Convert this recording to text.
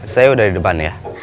saya udah di depan ya